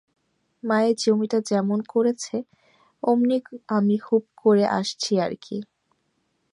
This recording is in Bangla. মায়ের জমিটা যেমন করেছ, অমনি আমি হুপ করে আসছি আর কি।